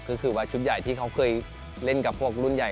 ก็คือว่าชุดใหญ่ที่เขาเคยเล่นกับพวกรุ่นใหญ่